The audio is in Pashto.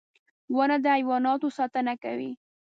• ونه د حیواناتو ساتنه کوي.